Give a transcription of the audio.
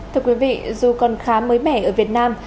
thưa quý vị dù còn khá mới mẻ ở việt nam